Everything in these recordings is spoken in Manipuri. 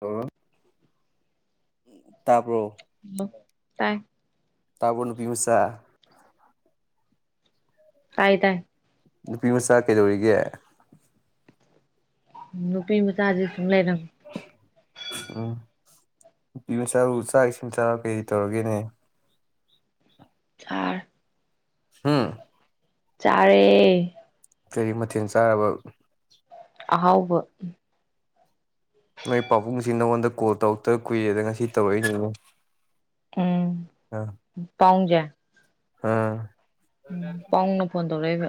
ꯑꯣ ꯇꯥꯕ꯭ꯔꯣ ꯍꯜꯂꯣ ꯇꯥꯏ ꯇꯥꯕ꯭ꯔꯣ ꯅꯨꯄꯤꯃꯆꯥ ꯇꯥꯏꯌꯦ ꯇꯥꯏꯌꯦ ꯅꯨꯄꯤ ꯃꯆꯥ ꯀꯩꯗꯧꯔꯤꯒꯦ [unintelligible] ꯅꯨꯄꯤ ꯃꯆꯥꯖꯦ ꯁꯨꯝ ꯂꯩꯔꯝ [inaudible] ꯆꯔꯦ ꯍꯝ ꯆꯔꯦ ꯀꯔꯤ ꯃꯊꯦꯜ ꯆꯥꯔꯕ ꯑꯍꯥꯎꯕ ꯅꯣꯏ ꯄꯥꯕꯨꯡꯁꯤ ꯅꯉꯣꯟꯗ ꯀꯣꯜ ꯇꯧꯔꯛꯇ ꯀꯨꯏꯔꯦꯗ ꯉꯁꯤ ꯇꯧꯔꯛꯏꯅꯦ ꯌꯦꯡꯉꯣ ꯎꯝ ꯄꯥꯎꯪꯖꯦ ꯑꯥ ꯎꯝ ꯄꯥꯎꯪꯅ ꯐꯣꯟ ꯇꯧꯔꯛꯏꯕ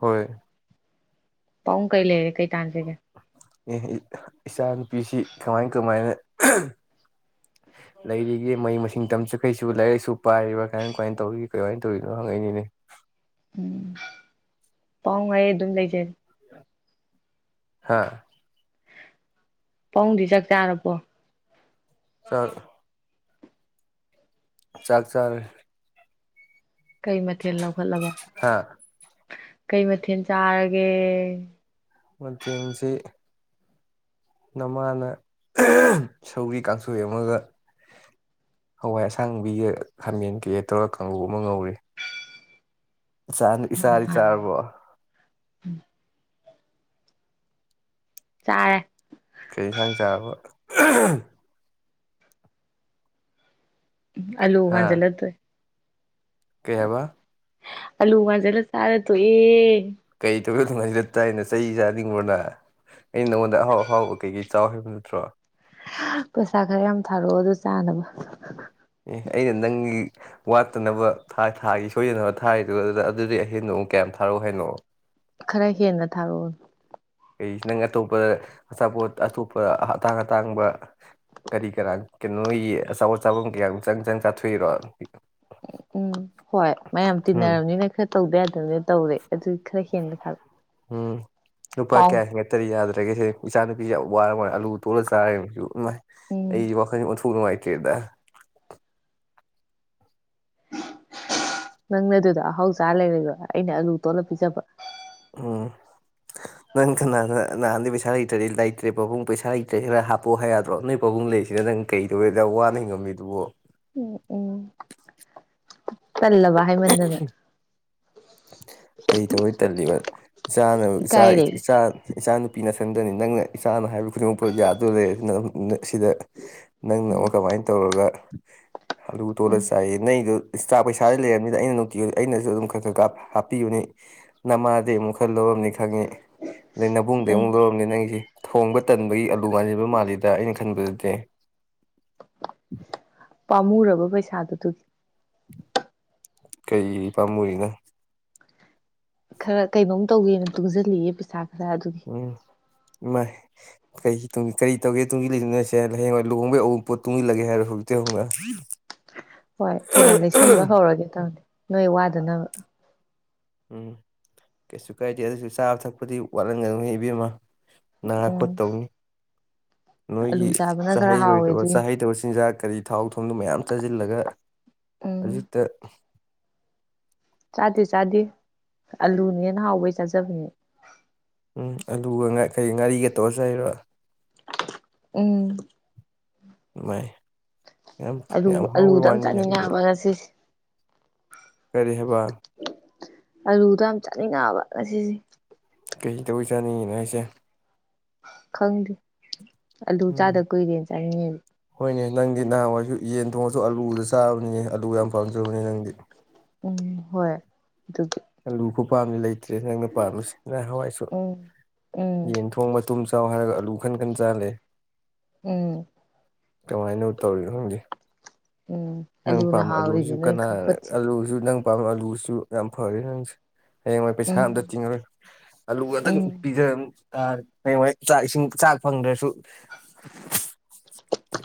ꯍꯣꯏ ꯄꯥꯎꯪ ꯀꯩ ꯂꯩꯔꯦ ꯀꯩ ꯇꯥꯟꯁꯤꯒꯦ ꯑꯦ ꯏꯆꯥ ꯅꯨꯨꯄꯤꯁꯤ ꯀꯃꯥꯏ ꯀꯃꯥꯏꯅ ꯂꯩꯔꯤꯒꯦ ꯃꯍꯩ ꯃꯁꯤꯡ ꯇꯝꯆꯠꯈ꯭ꯔꯤꯁꯨ ꯂꯥꯏꯔꯤꯛ ꯂꯥꯏꯁꯨ ꯄꯥꯏꯔꯤꯕ ꯀꯃꯥꯏ ꯀꯃꯥꯏꯅ ꯇꯧꯔꯤꯒꯦ ꯀꯃꯥꯏꯅ ꯇꯧꯔꯤꯅꯣ ꯍꯪꯉꯛꯏꯅꯤꯅꯦ ꯎꯝ ꯄꯥꯎꯪ ꯑꯩ ꯑꯗꯨꯝ ꯂꯩꯖꯔꯤ ꯍꯥꯥ ꯄꯥꯕꯨꯡꯗꯤ ꯆꯥꯛ ꯆꯥꯔꯕꯣ ꯆꯥꯛ ꯆꯥꯛ ꯆꯔꯦ ꯀꯩ ꯃꯊꯦꯜ ꯂꯧꯈꯠꯂꯕ ꯍꯥ ꯀꯩ ꯃꯊꯦꯜ ꯆꯥꯔꯒꯦ ꯃꯇꯦꯟꯁꯤ ꯅꯃꯥꯅ ꯁꯧꯒ꯭ꯔꯤ ꯀꯥꯡꯁꯣꯏ ꯑꯃꯒ ꯍꯋꯥꯏ ꯑꯁꯥꯡꯕꯤꯒ ꯈꯥꯃꯦꯟ ꯀꯩꯒ ꯇꯧꯔꯒ ꯀꯥꯡꯉꯧ ꯑꯃ ꯉꯧꯔꯦ ꯆꯅꯤ ꯏꯆꯥꯗꯤ ꯅꯃꯥ ꯆꯥꯔꯔꯕꯣ ꯆꯥꯔꯦ ꯀꯩ ꯌꯦꯟꯁꯥꯡ ꯆꯥꯔꯕ ꯑꯜꯂꯨ ꯍꯥ ꯍꯥꯟꯖꯤꯜꯂ ꯇꯣꯛꯑꯦ ꯀꯩ ꯍꯥꯏꯕ ꯑꯜꯂꯨ ꯉꯥꯟꯖꯤꯜꯂ ꯆꯥꯔ ꯇꯣꯛꯑꯦ [inaudible] [unintelligible] ꯇꯥꯏꯅ ꯆꯩ ꯆꯥꯅꯤꯡꯕ꯭ꯔꯣ ꯅꯩ ꯑꯩꯅ ꯅꯪꯉꯣꯟꯗ ꯑꯍꯥꯎ ꯑꯍꯥꯎꯕ ꯀꯩꯀꯩ ꯆꯥꯎ ꯍꯥꯏꯕ ꯅꯠꯇ꯭ꯔꯣ ꯄꯩꯁꯥ ꯈꯔ ꯌꯥꯝ ꯊꯥꯔꯛꯑꯣ ꯑꯗꯨ ꯆꯥꯅꯕ ꯑꯦ ꯑꯩꯅ ꯅꯪꯒꯤ ꯋꯥꯠꯇꯅꯕ ꯊꯥ -ꯊꯥꯒꯤ ꯁꯣꯏꯗꯅꯕ ꯊꯥꯔꯤꯗꯨ ꯑꯗꯨꯗ ꯑꯗꯨꯗꯤ ꯑꯍꯦꯟꯕ ꯑꯃꯨꯛ ꯀꯌꯥꯝ ꯊꯥꯔꯛꯑꯣ ꯍꯥꯏꯅꯣ ꯈꯔ ꯍꯦꯟꯅ ꯊꯥꯔꯛꯑꯣ ꯏꯁ ꯅꯪ ꯑꯇꯣꯞꯄꯗ ꯑꯆꯥꯄꯣꯠ ꯑꯇꯣꯞꯄ ꯑꯇꯥꯡ ꯑꯇꯥꯡꯕ ꯀꯔꯤ ꯀꯔꯥ ꯀꯩꯅꯣꯏꯒꯤ ꯑꯆꯥꯄꯣꯠ ꯆꯥꯐꯝ ꯀꯌꯥꯝ ꯆꯪ ꯆꯪ ꯆꯥꯊꯣꯛꯏꯔꯣ ꯎꯝ ꯍꯣꯏ ꯃꯌꯥꯝ ꯎꯝ ꯇꯤꯟꯅꯔꯕꯅꯤꯅ ꯈꯔ ꯇꯧꯗꯌꯥꯗꯦ ꯇꯧꯔꯦ ꯑꯗꯨ ꯈꯔ ꯍꯦꯟꯅ ꯊꯥꯔꯛꯑꯣ ꯎꯝ ꯂꯨꯄꯥ ꯀꯌꯥ ꯍꯦꯟꯒꯛꯇꯔꯗꯤ ꯌꯥꯗ꯭ꯔꯦ ꯁꯤꯅꯤ ꯏꯆꯥ ꯅꯨꯄꯤꯁꯦ ꯌꯥꯝ ꯋꯥꯔ ꯋꯥꯔ ꯑꯂꯨ ꯇꯣꯂꯒ ꯆꯥꯔꯦꯕꯁꯨ ꯎꯝ ꯑꯩ ꯋꯥꯈꯟ ꯑꯣꯟꯊꯣꯛ ꯄꯔ ꯅꯨꯛꯥꯏꯇꯔꯤꯗ ꯅꯪꯅ ꯑꯗꯨꯗ ꯑꯍꯥꯎ ꯆꯥ ꯂꯩꯔꯕ ꯑꯩꯅ ꯑꯂꯨ ꯇꯣꯠꯂ ꯄꯤꯖꯕ ꯎꯝ ꯅꯪ ꯀꯅꯥꯅ ꯅꯍꯥꯟꯗꯤ ꯄꯩꯁꯥ ꯂꯩꯇ꯭ꯔꯗꯤ ꯂꯩꯇ꯭ꯔꯦ ꯄꯥꯕꯨꯡ ꯄꯩꯁꯥ ꯂꯩꯇ꯭ꯔꯦ ꯈꯔ ꯍꯥꯞꯄꯣ ꯍꯥꯏ ꯌꯥꯗ꯭ꯔꯣ ꯅꯣꯏ ꯄꯥꯕꯨꯡ ꯂꯩꯔꯤꯁꯤꯅ ꯅꯪ ꯀꯩꯗꯧꯕꯩ ꯋꯥꯅ ꯍꯤꯡꯉꯝꯃꯤꯗꯨꯕ ꯎꯝ ꯎꯝ ꯇꯜꯂꯕ ꯍꯥꯏꯃꯟꯗꯅ ꯀꯩ ꯇꯧꯕꯩ ꯇꯜꯂꯤꯕ ꯏꯆꯥꯅ ꯏꯆꯥ ꯏꯀꯥꯏꯔꯦ ꯏꯆꯥ ꯏꯆꯥꯅ ꯄꯤꯅꯁꯟꯗꯅꯤ ꯅꯪꯅ ꯏꯆꯥꯅ ꯍꯥꯏꯕ ꯄꯈꯔꯤ ꯄꯔ ꯌꯥꯖꯗꯣꯔꯦꯅ [unintelligible] ꯅ ꯁꯤꯗ ꯅꯪꯅ ꯎꯝ ꯑꯃꯨꯛ ꯀꯃꯥꯏꯅ ꯇꯧꯔꯒ [inaudible] ꯑꯜꯂꯨ ꯇꯣꯠꯂꯥ ꯎꯝ ꯆꯥꯏꯌꯦ ꯅꯩꯗꯣ ꯏꯁꯇꯥ ꯄꯩꯁꯥ ꯂꯩꯔꯝꯅꯤꯅ ꯑꯩꯅ ꯅꯨꯡꯇꯤ ꯑꯩꯁꯨ ꯑꯗꯨꯝ ꯈꯔ ꯈꯔ ꯍꯥꯞ ꯍꯥꯞꯄꯤꯕꯅꯤ ꯅꯃꯥꯗꯩ ꯑꯃꯨꯛ ꯈꯔ ꯂꯧꯔꯝꯅꯤ ꯈꯪꯉꯤ ꯑꯗꯩ ꯅꯕꯨꯡꯗꯩ ꯎꯝ ꯑꯃꯨꯛ ꯂꯧꯔꯝꯅꯤ ꯅꯪꯒꯤꯁꯦ ꯊꯣꯡꯕ ꯇꯟꯕꯒꯤ ꯅꯨꯡꯉꯥꯏꯔꯤꯕ ꯃꯥꯜꯂꯤꯗ ꯑꯩꯅ ꯈꯟꯕꯗ [unintelligible] ꯄꯥꯝꯃꯨꯔꯕ ꯄꯩꯁꯥꯗꯨꯗꯨꯒꯤ ꯀꯩ ꯄꯥꯝꯃꯨꯏꯅ ꯈꯔ ꯀꯩꯅꯣꯝ ꯇꯧꯒꯦꯅ ꯇꯨꯡꯁꯤꯜꯂꯤꯌꯦ ꯄꯩꯁꯥ ꯑ ꯑꯗꯨꯒꯤ ꯃꯥ ꯀꯔꯤ ꯇꯪ ꯀꯔꯤ ꯇꯧꯒꯦ ꯇꯨꯡꯁꯤꯜꯂꯤꯁꯤꯂꯤꯅꯣ ꯍꯌꯦꯡ ꯂꯨꯍꯣꯡꯕꯩ ꯑꯎꯟꯄꯣꯠ ꯇꯨꯡꯁꯤꯜꯂꯒꯦ ꯍꯥꯏꯔꯣ ꯍꯧꯖꯤꯛꯇꯩ ꯍꯧꯅ ꯍꯣꯏ ꯈꯔꯥ ꯈꯔꯥ ꯂꯩꯁꯟꯕ ꯍꯧꯔꯒꯦ ꯇꯧꯅꯤ ꯅꯣꯏ ꯋꯥꯗꯅꯕ ꯎꯝ ꯀꯩꯁꯨ ꯀꯥꯏꯗꯦ ꯑꯗꯨꯏꯁꯨ ꯆꯥꯕ ꯊꯛꯄꯗꯤ ꯋꯥꯠꯍꯟꯒꯅꯨ ꯏꯕꯦꯝꯃꯥ ꯅꯥ ꯎꯝ ꯈꯣꯠꯇꯧꯅꯤ ꯑꯂꯨ ꯅꯣꯏꯒꯤ ꯆꯥꯕꯅ ꯈꯔ ꯍꯥꯎꯋꯦ ꯆꯥꯍꯩꯔꯣꯏꯗꯕ ꯑꯗꯨꯒꯤꯅꯤ ꯆꯥꯍꯩꯗꯕ ꯆꯤꯟꯖꯥꯛ ꯀꯔꯤ ꯊꯥꯎ ꯑꯂꯨ ꯃꯌꯥꯝ ꯆꯥꯁꯤꯜꯂꯒ ꯎꯝ ꯍꯧꯖꯤꯛꯇ ꯆꯥꯗꯦ ꯆꯥꯗꯦ ꯑꯂꯨꯅ ꯍꯦꯟꯅ ꯍꯥꯎꯕꯩ ꯆꯥꯖꯕꯅꯦ ꯎꯝ ꯑꯂꯨꯒ ꯀꯩ ꯉꯥꯔꯤꯒ ꯇꯧꯔ ꯆꯥꯏꯕ ꯎꯝ ꯃꯥꯏ ꯌꯥꯝ ꯑꯂꯨ ꯌꯥꯝ ꯍꯥꯎꯕꯩ ꯑꯂꯨꯗꯪ ꯋꯥꯅꯤꯅꯦ ꯆꯥꯅꯤꯡꯉꯦ ꯑꯗꯨꯗꯤ ꯍꯥꯏꯕ ꯉꯁꯤꯁꯦ ꯀꯔꯤ ꯍꯥꯏꯕ ꯑꯂꯨꯗꯣ ꯌꯥꯝ ꯆꯥꯅꯤꯡꯉꯛꯑꯕ ꯉꯁꯤꯁꯦ ꯀꯩ ꯇꯧꯕꯩ ꯆꯥꯅꯤꯡꯉꯤꯅꯣ ꯍꯥꯏꯁꯦ ꯈꯪꯗꯦ ꯑꯂꯨ ꯎꯝ ꯆꯥꯗ ꯀꯨꯏꯔꯦꯅ ꯆꯥꯅꯤꯡꯉꯤꯅꯦ ꯍꯣꯏꯅꯦ ꯅꯪꯗꯤ ꯅꯍꯥꯟꯋꯥꯏꯁꯨ ꯌꯦꯟ ꯊꯣꯡꯉꯁꯨ ꯑꯂꯨꯗ ꯆꯥꯕꯅꯤꯅꯦ ꯑꯂꯨ ꯌꯥꯝ ꯄꯥꯝꯖꯕꯅꯦ ꯅꯪꯗꯤ ꯎꯝ ꯍꯣꯏ ꯑꯗꯨ ꯑꯂꯨ ꯈꯨꯄꯥꯝꯗꯤ ꯂꯩꯇ꯭ꯔꯦ ꯅꯪꯅ ꯄꯥꯝꯃꯤꯁꯦ ꯉꯥꯏ ꯍꯋꯥꯏꯁꯨ ꯎꯝ ꯎꯝ ꯌꯦꯟ ꯊꯣꯡꯕ ꯇꯨꯝ ꯆꯥꯎ ꯍꯔꯒ ꯑꯂꯨ ꯈꯟ ꯈꯟ ꯆꯥꯂꯦ ꯎꯝ ꯀꯃꯥꯏꯅ ꯇꯧꯔꯤꯅꯣ ꯈꯪꯗꯦ ꯎꯝ ꯅꯪ ꯑꯂꯨꯅ ꯄꯥꯝ ꯑꯂꯨꯁꯨ ꯍꯥꯎꯔꯤꯁꯦ ꯅꯣꯏ ꯀꯅꯥ ꯈꯪꯄꯣꯠꯇꯦ ꯑꯂꯨꯁꯨ ꯅꯪ ꯄꯥ ꯑꯂꯨꯁꯨ ꯌꯥꯝ ꯐꯔꯦ ꯅꯪꯁꯤ ꯍꯌꯦꯡꯋꯥꯏ ꯄꯩꯁꯥ ꯎꯝ ꯑꯝꯇ ꯇꯤꯡꯉꯔꯣꯏ ꯑꯂꯨ ꯈꯇꯪ ꯎꯝ ꯄꯤꯖ ꯇꯥꯔꯦ ꯆꯥꯛ ꯏꯁꯤꯡ ꯆꯥꯛ ꯐꯪꯗ꯭ꯔꯁꯨ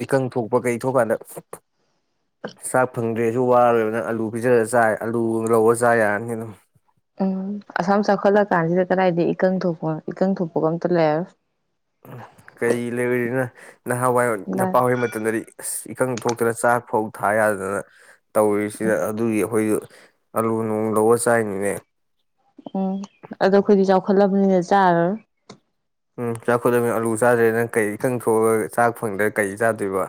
ꯏꯀꯪ ꯊꯣꯛꯄ ꯀꯩ [unintelligible] ꯆꯥꯛ ꯐꯪꯗ꯭ꯔꯦ ꯖꯨ ꯋꯥꯔꯣꯏꯅ ꯑꯂꯨ ꯄꯤꯖꯔꯒ ꯆꯥꯏ ꯑꯥꯂꯨ ꯂꯧꯔꯒ ꯆꯥ ꯌꯥꯔꯅꯤ [unintelligible] ꯎꯝ ꯑꯁꯥꯝ ꯆꯥꯎꯈꯠꯂ ꯀꯥꯟꯁꯤꯗ ꯀꯗꯥꯏꯗ ꯏꯀꯪ ꯊꯣꯛꯄꯅꯣ ꯏꯀꯪ ꯊꯣꯛꯄꯒ ꯑꯝꯇ ꯂꯩꯔꯔꯣꯏ ꯎ ꯀꯩ ꯂꯩꯔꯤꯅꯣ ꯅꯍꯥꯥꯟꯋꯥꯏ ꯅꯄꯥ ꯑꯣꯏ ꯃꯇꯝꯗꯗꯤ ꯑꯁ ꯏꯀꯪ ꯊꯣꯛꯇꯅ ꯆꯥꯛ ꯐꯧ ꯊꯥ ꯌꯥꯗꯅ ꯇꯧꯔꯤꯁꯤꯗ ꯑꯗꯨꯒꯤ ꯑꯩꯈꯣꯏꯁꯨ ꯑꯂꯨ ꯅꯨꯡ ꯂꯧꯑ ꯆꯥꯏꯅꯤꯅꯦ ꯎꯝ ꯑꯗꯣ ꯑꯩꯈꯣꯏꯗꯤ ꯆꯥꯎꯈꯠꯂꯕꯅꯤꯅ ꯆꯥꯔꯔꯣꯏ ꯎꯝ ꯆꯥꯎꯈꯠꯂꯃꯤꯅ ꯑꯂꯨ ꯆꯥꯗ꯭ꯔꯦ ꯅꯪ ꯀꯩ ꯏ ꯈꯪ ꯊꯣꯛꯑꯒ ꯆꯥꯛ ꯐꯪꯗ꯭ꯔꯥ ꯀꯔꯤ ꯆꯥꯗꯣꯏꯕ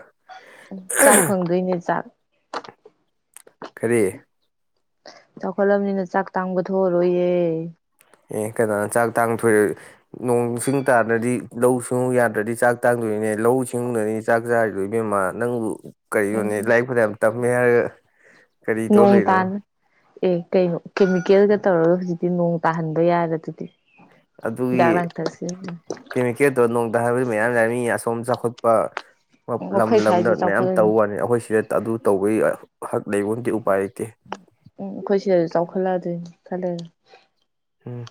ꯆꯥꯛ ꯐꯪꯗꯣꯏꯅꯦ ꯆꯥꯛ ꯀꯔꯤ ꯆꯥꯎꯈꯠꯂꯕꯅꯤꯅ ꯆꯥꯛ ꯇꯥꯡꯕ ꯊꯣꯛꯑꯔꯣꯏꯌꯦ ꯑꯦ ꯀꯩꯅꯣꯅ ꯆꯥꯛ ꯇꯥꯡꯊꯣꯏꯔꯦ ꯅꯣꯡꯁꯤꯡ ꯇꯥꯗ꯭ꯔꯗꯤ ꯂꯧꯎ ꯁꯤꯡꯎ ꯌꯥꯗ꯭ꯔꯗꯤ ꯆꯥꯛ ꯇꯥꯡꯗꯣꯏꯅꯦ ꯂꯧꯎ ꯁꯤꯡꯎꯅꯅꯤꯅꯦ ꯆꯥꯛ ꯆꯥꯔꯤꯗꯣꯏ ꯏ ꯃꯦꯝꯃ ꯅꯪꯕꯨ ꯎꯝ ꯀꯔꯤꯅꯣꯅꯦ ꯂꯥꯏꯔꯤꯛ ꯐꯅꯌꯥꯝ ꯇꯝꯃꯦ ꯍꯥꯏꯔꯒ ꯀꯔꯤ ꯇꯧ ꯅꯣꯡ ꯂꯩꯔꯤꯅꯣ ꯇꯥꯅ ꯑꯦ ꯀꯩꯅꯣ ꯀꯦꯃꯤꯀꯦꯜꯒ ꯇꯧꯔꯒ ꯍꯧꯖꯤꯛꯇꯤ ꯅꯣꯡ ꯇꯥꯍꯟꯕ ꯌꯥꯔ ꯗꯨꯗꯤ ꯑꯗꯨꯒꯤ ꯀꯦꯃꯤꯀꯦꯜꯗꯣ ꯅꯣꯡꯗ ꯍꯥꯏꯕꯗꯨ ꯃꯌꯥꯝ ꯂꯩꯔꯝꯃꯤ ꯑꯁꯣꯝ ꯆꯥꯎꯈꯠ ꯄ ꯎꯝ ꯂꯝ ꯑꯩꯈꯣꯏ ꯂꯝꯗ ꯁ꯭ꯋꯥꯏꯁꯨ ꯃꯌꯥꯝ ꯆꯥꯎꯈꯠꯂꯅꯤ ꯇꯧ ꯋꯥꯅꯤ ꯑꯩꯈꯣꯏ ꯁꯤꯗ ꯑꯗꯨ ꯇꯧꯕꯒꯤ ꯍꯛ ꯂꯩꯕꯣꯇꯦ ꯎꯄꯥꯏ ꯂꯩꯇꯦ ꯈꯗ ꯎꯝ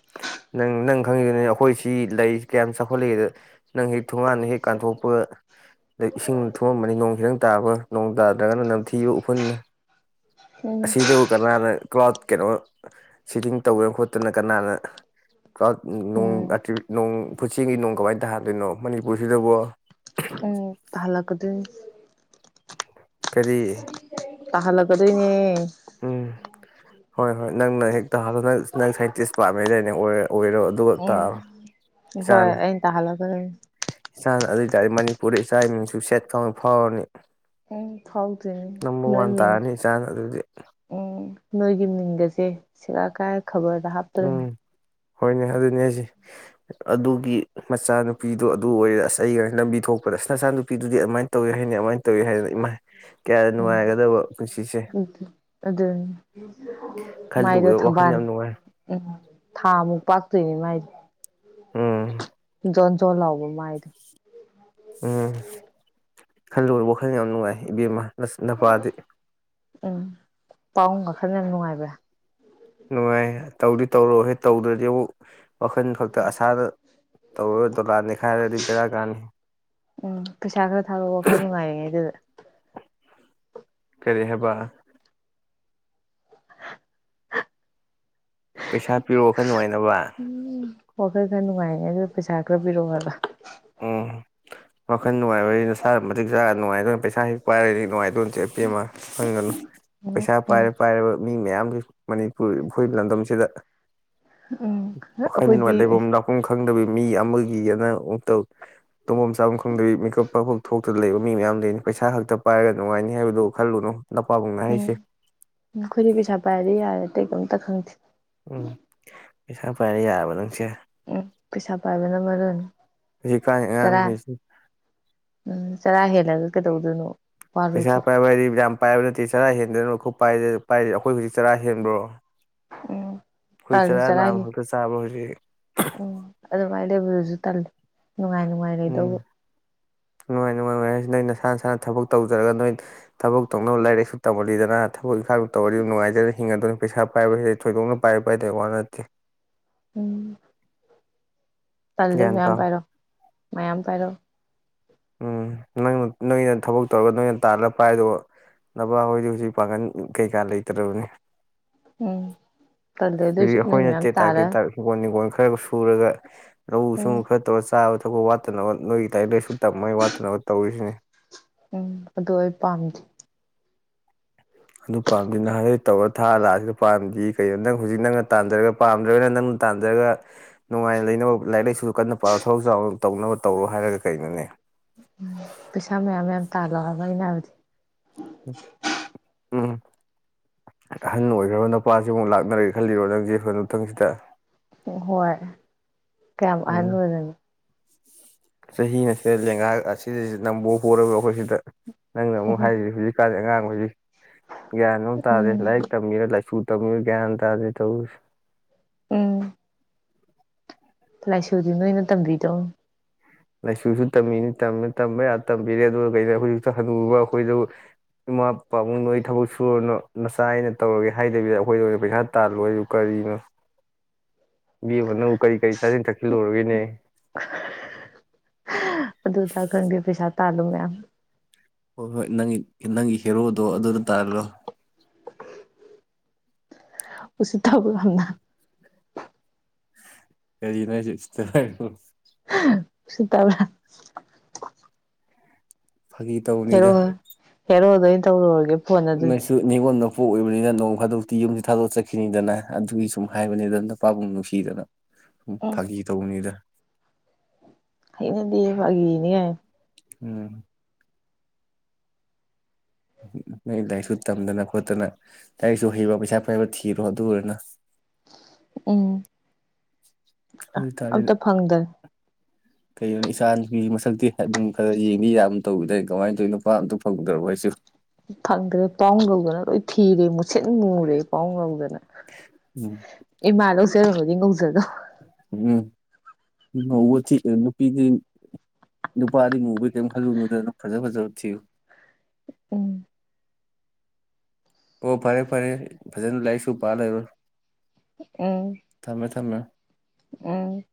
ꯅꯪ ꯅꯪ ꯈꯪꯉꯤꯗꯨꯅꯦ ꯑꯩꯈꯣꯏ ꯁꯤ ꯂꯩꯔꯤ ꯀꯌꯥꯝ ꯆꯥꯎꯈꯠꯂꯦꯗ ꯅꯪ ꯍꯦꯛ ꯊꯣꯡꯒꯥꯟꯅ ꯍꯦꯛ ꯀꯥꯟꯊꯣꯛꯄ ꯗꯩ ꯏꯁꯤꯡ ꯊꯨꯝꯃꯝꯃꯅꯤ ꯅꯣꯡ ꯈꯤꯇꯪ ꯇꯥꯕ ꯅꯣꯡ ꯇꯥꯗ꯭ꯔꯒꯅ ꯅꯝꯊꯤꯕ ꯎꯐꯨꯟꯅ ꯂꯩꯔꯒ ꯑꯁꯤꯗꯕꯨ ꯀꯅꯥꯅ ꯀ꯭ꯂꯥꯎꯊ ꯀꯩꯅꯣ ꯁꯤꯇꯤꯡ ꯇꯧꯗꯅ ꯈꯣꯠꯇꯅ ꯀꯅꯥꯅ ꯥꯀ꯭ꯂꯥꯎꯗ ꯎꯝ ꯅꯣꯡ ꯎꯝ ꯑꯇ꯭ꯕꯤ ꯅꯣꯡ ꯐꯨꯠꯆꯤꯒꯤ ꯅꯣꯡ ꯀꯧꯋꯦ ꯇꯥꯗꯨꯢꯅꯣ ꯃꯅꯤꯄꯨꯔꯁꯤꯗꯕꯣ ꯎꯝ ꯇꯥꯍꯜꯂꯛꯀꯗꯣꯢꯅꯤ ꯀꯔꯤ ꯇꯥꯍꯜꯂꯛꯀꯗꯣꯏꯅꯦ ꯎꯝ ꯍꯣꯏ ꯍꯣꯏ ꯅꯪꯅ ꯍꯦꯛ ꯇꯥꯍꯜꯂꯣ ꯅꯪ ꯁꯥꯏꯟꯇꯤꯁ ꯄꯥꯝꯃꯦꯗꯥꯢꯅꯦ ꯑꯣꯏꯔ ꯎꯝ ꯍꯣꯏ ꯏꯆꯥꯅ ꯑꯩꯅ ꯇꯥꯍꯜꯂꯛꯀꯗꯣꯢꯟꯅ ꯏꯆꯥꯅ ꯑꯗꯨ ꯑꯣꯏꯇꯥꯔꯗꯤ ꯃꯅꯤꯄꯨꯔꯗ ꯏꯆꯥꯒꯤ ꯃꯤꯡꯁꯨ ꯁꯦꯠ ꯊꯣꯛꯅ ꯐꯥꯎꯔꯅꯤ ꯎꯝ ꯐꯥꯎꯗꯣꯢꯅꯤ ꯅꯝꯕꯔ ꯋꯥꯟ ꯅꯣꯏꯃꯤꯡꯗꯨ ꯇꯥꯔꯅꯤ ꯏꯆꯥꯅ ꯑꯗꯨꯗꯤ ꯎꯝ ꯅꯣꯏꯒꯤ ꯃꯤꯡꯒꯁꯦ ꯁꯦꯒꯥꯛ ꯀꯥꯏꯔ ꯈꯕꯔꯗ ꯍꯥꯞꯇꯣꯔꯤꯝ ꯎꯝ ꯍꯣꯏꯅꯦ ꯑꯗꯨꯅꯦ ꯍꯥꯢꯁꯤ ꯑꯗꯨꯒꯤ ꯃꯆꯥꯅꯨꯄꯤꯗꯣ ꯗꯣ ꯑꯗꯨ ꯑꯣꯏꯔꯦ ꯑꯁ ꯑꯩꯒ ꯂꯝꯕꯤ ꯊꯣꯛꯄꯗ ꯑꯁ ꯅꯆꯥ ꯅꯨꯄꯤꯗꯨꯗꯤ ꯑꯃꯥꯏꯅ ꯇꯧꯑꯦ ꯃꯤꯅ ꯑꯗꯨꯃꯥꯏ ꯇꯧꯢ ꯍꯥꯏꯗꯅ ꯏꯃ ꯀꯌꯥꯗ ꯎꯝ ꯅꯨꯡꯉꯥꯏꯒꯗꯕ ꯄꯨꯟꯁꯤꯁꯦ ꯑꯗꯨꯅꯤ ꯃꯥꯏꯗꯣ ꯈꯜꯂꯨꯕꯗꯕ ꯋꯥꯈꯜ ꯊꯝꯕꯥꯜ ꯌꯥꯝ ꯅꯨꯡꯉꯥꯏ ꯎꯝ ꯊꯥ ꯃꯨꯛ ꯄꯥꯛꯇꯣꯏꯅꯤ ꯃꯥꯏꯗꯨ ꯑꯝ ꯖꯣꯟ ꯖꯣꯟ ꯂꯥꯎꯕ ꯃꯥꯏꯗꯨ ꯎꯝ ꯈꯜꯂꯨꯔ ꯋꯥꯈꯜ ꯌꯥꯝ ꯅꯨꯡꯉꯥꯏ ꯏꯕꯦꯝꯃꯥ ꯑꯁ ꯅꯄꯥꯗꯤ ꯄꯥꯎꯡ ꯋꯥꯈꯜ ꯌꯥꯝ ꯅꯨꯡꯉꯥꯏꯕ꯭ꯔꯥ ꯅꯨꯡꯉꯥꯏ ꯇꯧꯗꯤ ꯇꯧꯔꯣ ꯍꯦ ꯇꯧꯗ꯭ꯔꯗꯤ ꯑꯃꯨꯛ ꯋꯥꯈꯜ ꯈꯛꯇ ꯑꯁꯥꯗ ꯇꯧꯔ ꯗꯣꯂꯥꯅꯤꯛ ꯎꯝ ꯄꯩꯁꯥ ꯈꯔ ꯊꯥꯔꯛꯑꯣ ꯋꯥꯈꯜ ꯅꯨꯡꯉꯥꯏꯔꯤꯉꯩ ꯗꯨꯗ ꯀꯔꯤ ꯍꯥꯏꯕ ꯄꯩꯁꯥ ꯄꯤꯔꯛꯑꯣ ꯋꯥꯈꯜ ꯅꯨꯡꯉꯥꯏꯅꯕ ꯑꯗꯨ ꯄꯩꯁꯥ ꯈꯔ ꯄꯤꯔꯛꯎ ꯍꯥꯏꯕ ꯎꯝ ꯋꯥꯈꯜ ꯅꯨꯡꯉꯥꯏꯕ ꯍꯥꯢꯁꯤ ꯅꯁꯥ ꯃꯇꯤꯛ ꯆꯥꯔꯒ ꯅꯨꯡꯉꯥꯏꯗꯣꯏꯅꯤ ꯄꯩꯁꯥ ꯍꯦꯛ ꯄꯥꯔꯒ ꯅꯨꯡꯉꯥꯏ [unintelligible] ꯎꯝ ꯄꯩꯁꯥ ꯎꯝ ꯄꯥꯏꯔꯥ ꯄꯥꯏꯔꯥ ꯃꯤ ꯃꯌꯥꯝꯒꯤ ꯃꯅꯤꯄꯨꯔ ꯐꯨꯔꯠ ꯂꯝꯗꯝꯁꯤꯗ ꯎꯝ ꯋꯥꯈꯜ ꯑꯩꯈꯣꯏꯗꯤ ꯅꯨꯡꯉꯥꯏ ꯂꯩꯕꯝ ꯂꯥꯛꯄꯝ ꯈꯪ꯭ꯗꯕꯤ ꯃꯤ ꯑꯃꯒꯤ ꯑꯅꯥ ꯑꯃꯨꯛꯇꯧ ꯇꯧꯕꯝ ꯆꯥꯐꯝ ꯈꯪꯗꯕꯤ ꯃꯤꯀꯞ ꯄꯛ ꯊꯣꯛꯇ ꯊꯣꯛꯑꯒꯥ ꯂꯩꯕ ꯃꯤ ꯃꯌꯥꯝ ꯂꯩꯅꯤ ꯄꯩꯁꯥ ꯈꯛꯇ ꯄꯥꯏꯔꯒ ꯅꯨꯡꯉꯥꯏꯅꯤ ꯍꯥꯏꯕꯗꯣ ꯈꯜꯂꯨꯅꯨ ꯅꯄꯥꯕꯨꯡꯅ ꯎꯝ ꯍꯥꯏꯁꯦ ꯅꯈꯣꯢꯗꯤ ꯄꯩꯁꯥ ꯄꯥꯏꯔꯗꯤ ꯌꯥꯔꯦ ꯑꯇꯩ ꯀꯩꯝꯇ ꯈꯪꯗꯦ ꯎꯝ ꯄꯩꯁꯥ ꯄꯥꯏꯔ ꯌꯥꯔꯥꯕ ꯅꯪꯁꯦ ꯎꯝ ꯄꯩꯁꯥ ꯄꯥꯏꯕꯅ ꯃꯔꯨꯅꯤ ꯍꯧꯖꯤꯛꯀꯥꯟ ꯆꯔꯥ ꯑꯉꯥꯡꯁꯤꯡ ꯎꯝ ꯆꯔꯥ ꯍꯦꯜꯂꯒ ꯀꯩꯗꯧꯗꯣꯏꯅꯣ ꯋꯥꯔꯣꯏꯗ꯭ꯔꯣ ꯄꯩꯁꯥ ꯄꯥꯏꯕ ꯍꯥꯢꯗꯤ ꯌꯥꯝ ꯄꯥꯏꯕ ꯅꯠꯇꯦ ꯆꯔꯥ ꯍꯦꯟꯗꯅꯥꯕ ꯈꯨꯞ ꯄꯥꯢꯔꯦ ꯄꯥꯢꯔꯦ ꯑꯩꯈꯣꯏ ꯍꯧꯖꯤꯛ ꯆꯔꯥ ꯍꯦꯟꯕ꯭ꯔꯣ ꯎꯝ ꯑꯩꯈꯣꯏ ꯇꯜꯂꯤ ꯆꯔꯥ ꯅꯥꯝꯃꯥ ꯆꯔꯥꯒꯤ ꯃꯛꯇꯥ ꯆꯥꯕ꯭ꯔꯣ ꯍꯧꯖꯤꯛ ꯃꯥꯏ ꯂꯩꯕꯗꯨꯁꯨ ꯇꯜꯂꯦ ꯅꯨꯡꯉꯥꯏ ꯅꯨꯡꯉꯥꯏ ꯎꯝ ꯂꯩꯗꯧꯕꯥ ꯅꯨꯡꯉꯥꯏ ꯅꯨꯡꯉꯥꯏꯅ ꯍꯥꯏꯁꯤ ꯅꯣꯏ ꯅꯁꯥ ꯅꯁꯥꯅ ꯊꯕꯛ ꯇꯧꯖꯔꯒ ꯅꯣꯏ ꯊꯕꯛ ꯇꯧꯅꯕ ꯂꯥꯏꯔꯤꯛꯁꯨ ꯇꯧꯍꯜꯂꯤꯗꯅ ꯑꯩꯈꯣꯢ ꯢꯒꯤꯕꯨ ꯇꯧꯔꯗꯤ ꯑꯗꯨꯝ ꯅꯨꯡꯉꯥꯏꯖꯔꯦ ꯍꯤꯡꯉꯥꯗꯧꯅꯦ ꯄꯩꯁꯥ ꯄꯥꯏꯕꯁꯤꯗꯤ ꯊꯣꯏꯗꯣꯛꯅ ꯄꯥꯏꯕ ꯄꯥꯏꯗꯕꯩ ꯋꯥ ꯅꯠꯇꯦ ꯎꯝ ꯇꯜꯂꯤ ꯒ꯭ꯌꯥꯟ ꯃꯌꯥꯝ ꯇꯥꯎ ꯄꯥꯏꯔꯣ ꯃꯌꯥꯝ ꯄꯥꯏꯔꯣ ꯎꯝ ꯅꯪ ꯅꯣꯏꯅ ꯊꯕꯛ ꯇꯧꯔꯒ ꯅꯣꯏꯅ ꯇꯥꯜꯂꯥꯒ ꯄꯥꯏꯗꯧꯕ ꯅꯄꯥ ꯍꯣꯢꯗꯤ ꯍꯧꯖꯤꯛ ꯄꯥꯡꯒꯜ ꯀꯩꯀꯥ ꯂꯩꯇ꯭ꯔꯕꯅꯤ [unintelligible] ꯎꯝ ꯇꯜꯂꯦ ꯑꯗꯨꯏꯁꯨ ꯐꯨꯔꯒ [unintelligible] ꯅꯣꯏ ꯃꯌꯥꯝ ꯇꯥꯔ ꯃꯥꯌꯦꯛ ꯎꯝ ꯁꯦꯡꯗ꯭ꯔꯦ ꯆꯥꯕꯥ ꯊꯛꯄꯥ ꯋꯥꯠꯇꯅꯕ ꯅꯣꯢꯒꯤ ꯂꯥꯢꯔꯤꯛ ꯂꯥꯢꯁꯨ ꯇꯥꯝꯕꯩ ꯋꯥꯠꯇꯅꯕꯥ ꯇꯧꯔꯤꯁꯤꯅꯤ ꯎꯝ ꯑꯗꯨ ꯑꯩ ꯄꯥꯝꯗꯦ ꯑꯗꯨ ꯄꯥꯝꯗꯦ ꯅꯍꯥꯟꯒꯩ ꯇꯧꯔꯒ ꯊꯥꯛꯑꯥ ꯂꯥꯛꯑꯁꯤꯗ ꯄꯥꯝꯗꯦ ꯀꯩꯅꯣ ꯅꯪ ꯍꯧꯖꯤꯛ ꯅꯪꯅ ꯇꯥꯟꯖꯔꯒ ꯄꯥꯝꯗ꯭ꯔꯒꯅ ꯅꯪꯅ ꯇꯥꯟꯖꯔꯒ ꯅꯨꯡꯉꯥꯏꯅ ꯂꯩꯅꯕ ꯂꯥꯏꯔꯤꯛ ꯂꯥꯏꯁꯨ ꯀꯟꯅ ꯄꯥꯔꯣ ꯊꯕꯛ ꯆꯥꯎꯅ ꯇꯧꯅꯕ ꯇꯧꯔꯣ ꯍꯥꯏꯔꯒꯥ ꯀꯩꯅꯣꯅꯦ ꯄꯩꯁꯥ ꯃꯌꯥꯝ ꯃꯌꯥꯝ ꯇꯥꯜꯂꯣ ꯍꯥꯢꯕ ꯑꯩꯅ ꯍꯥꯏꯕꯗꯤ ꯎꯝ ꯑꯍꯟ ꯑꯣꯏꯔꯕ ꯅꯥꯄꯥꯁꯤꯃꯨꯛ ꯂꯥꯛꯅꯔꯥꯒꯦ ꯈꯜꯂꯤꯔꯣ ꯅꯪꯁꯦ ꯍꯥꯅꯨꯊꯪꯁꯤꯗ ꯍꯣꯏ ꯀꯌꯥꯝ ꯑꯥꯍꯟ ꯑꯣꯏꯔꯒꯦ ꯆꯍꯤ ꯑꯁꯤꯗ ꯂꯦꯡꯒꯥ ꯑꯁꯤꯗ ꯅꯥꯝꯕꯣ ꯄꯣꯔꯕꯥ ꯑꯩꯈꯣꯏ ꯁꯤꯗ ꯅꯪꯅ ꯑꯃꯨꯛ ꯎꯝ ꯍꯥꯏꯔꯤ ꯍꯧꯖꯤꯛ ꯀꯥꯟꯗꯤ ꯑꯉꯥꯡ ꯑꯣꯏ ꯌꯦ ꯌꯥꯟꯅꯣ ꯇꯥꯗꯔꯦ ꯎꯝ ꯂꯥꯏꯔꯤꯛ ꯇꯝꯃꯤꯔ ꯂꯥꯏꯁꯨ ꯇ ꯀ꯭ꯌꯥꯟ ꯊꯥꯗꯦ ꯇꯧꯔꯤꯁꯦ ꯎꯝ ꯂꯥꯏꯁꯨꯗꯤ ꯅꯣꯏꯅ ꯇꯝꯕꯤꯗꯧꯅꯤ ꯂꯥꯏꯁꯨ ꯇꯝꯃꯤꯅꯤꯝ ꯇꯝꯕ ꯌꯥ ꯇꯝꯕꯤꯔꯦ ꯑꯗꯨꯒ ꯀꯩꯅꯣ ꯍꯧꯖꯤꯛꯇ ꯍꯜꯅꯨꯕ ꯑꯩꯈꯣꯏꯗ ꯏꯃꯥꯄꯥꯕꯨꯡꯛ ꯅꯣꯏ ꯊꯕꯛ ꯁꯨꯔꯅꯨ ꯅꯆꯥ ꯑꯩꯅ ꯇꯧꯔꯒꯦ ꯍꯥꯏꯗꯕꯤꯗ ꯑꯩꯈꯣꯏꯗ ꯑꯣꯏꯅ ꯄꯩꯁꯥ ꯇꯥꯜꯂꯣꯁꯤꯕꯨ ꯀꯔꯤꯅꯣ ꯕꯤꯕꯅꯨ ꯀꯔꯤ ꯀꯔꯤ ꯆꯥꯁꯤꯟ ꯊꯛꯆꯤꯜꯂꯨꯔꯒꯦꯅꯦ ꯑꯗꯨ ꯑꯗꯥꯛ ꯈꯪꯗꯦ ꯄꯩꯁꯥ ꯇꯥꯜꯂꯨ ꯃꯌꯥꯝ ꯍꯣꯏ ꯍꯣꯏ ꯅꯪꯒꯤ ꯅꯪꯒꯤ ꯍꯦꯔꯣꯗꯣ ꯑꯗꯨꯗ ꯇꯥꯍꯜꯂꯣ ꯎꯁꯤꯠꯇꯕꯣ ꯌꯥꯝꯅ ꯀꯔꯤꯅꯣ ꯍꯥꯏꯖꯦ ꯍꯧꯖꯤꯛꯇ ꯍꯥꯏꯔꯛ ꯎꯁꯤꯠꯇꯕ꯭ꯔ ꯐꯥꯒꯤ ꯍꯦꯔꯣ ꯇꯧꯕꯅꯤꯗ ꯍꯦꯔꯣ ꯑꯣꯏꯗ ꯇꯧꯔꯨꯔꯒꯦ ꯐꯣꯟ ꯑꯗꯨꯗꯤ ꯅꯁꯨ ꯅꯤꯒꯣꯟ ꯅꯣ ꯃꯄꯣꯛ ꯑꯣꯏꯕꯅꯤꯅ ꯅꯣꯡ ꯐꯥꯗꯣꯛꯇꯤ ꯌꯨꯝꯁꯤ ꯊꯥꯗꯣꯛ ꯆꯠꯈꯤꯅꯤꯗꯅ ꯑꯗꯨꯒꯤ ꯁꯨꯝ ꯍꯥꯏꯕꯅꯤ ꯑꯗꯨꯝ ꯅꯨꯄꯥꯕꯨꯡ ꯅꯨꯡꯁꯤꯗꯅ ꯎꯝ ꯐꯥꯒꯤ ꯇꯧꯕꯅꯤꯗ ꯍꯩꯅꯦꯗꯤ ꯐꯒꯤꯅꯤ ꯀꯥꯏꯅ ꯎꯝ ꯅꯣꯏ ꯂꯥꯏꯔꯤꯛꯁꯨ ꯇꯝꯗꯅ ꯈꯣꯠꯇꯅ ꯂꯥꯏꯔꯤꯛꯁꯨ ꯍꯩꯕ ꯄꯩꯁꯥ ꯄꯥꯏꯕ ꯊꯤꯔꯣ ꯑꯗꯨ ꯑꯣꯏꯅ ꯎ ꯑꯝꯇ ꯐꯪꯗ꯭ꯔꯦ ꯀꯩꯒꯤꯅꯣ ꯏꯆꯥꯒꯤ ꯃꯁꯛꯇꯤ ꯑꯗꯨꯝ ꯈꯔ ꯌꯦꯡꯕꯤ ꯌꯥꯕ ꯇꯧꯕꯤꯗ ꯀꯃꯥꯏꯅ ꯇꯧꯋꯤ ꯅꯨꯄꯥ ꯑꯝꯇ ꯐꯪꯗ꯭ꯔꯕ ꯍꯥꯏꯁꯤꯕꯨ ꯐꯪꯗ꯭ꯔꯦ ꯄꯥꯎ ꯂꯧꯗꯅ ꯂꯣꯏ ꯊꯤꯔꯦ ꯃꯨꯁꯤꯠ ꯃꯨꯔꯦ ꯄꯥꯎ ꯂꯧꯗꯅ ꯎꯝ [unintelligible] ꯎꯝ ꯉꯧꯕ ꯊꯤ ꯅꯨꯄꯤꯗꯤ ꯅꯨꯄꯥꯗꯤ ꯃꯨꯕ ꯀꯩꯝ ꯈꯜꯂꯨꯅꯨꯗꯅ ꯐꯖ ꯐꯖꯕ ꯊꯤꯌꯨ ꯎꯝ ꯑꯣ ꯐꯔꯦ ꯐꯔꯦ ꯐꯖꯅ ꯂꯩꯥꯏꯁꯨ ꯄꯥ ꯂꯩꯔꯣ ꯎꯝ ꯊꯝꯃꯦ ꯊꯝꯃꯦ ꯎꯝ